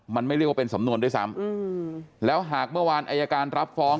มันไม่เรียกว่าเป็นสำนวนด้วยซ้ำแล้วหากเมื่อวานอายการรับฟ้อง